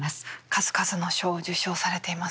数々の賞を受賞されていますね。